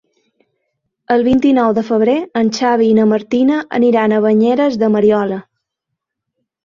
El vint-i-nou de febrer en Xavi i na Martina aniran a Banyeres de Mariola.